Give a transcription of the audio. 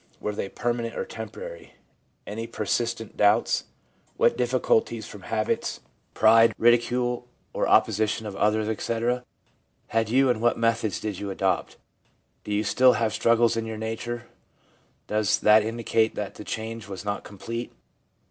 Were they permanent or temporary? Any persistent doubts ? What difficulties from habits, pride, 24 THE PSYCHOLOGY OF RELIGION ridicule, or opposition of others, etc., had you, and what methods did you adopt? Do you still have struggles in your nature? Does that indicate that the change was not complete?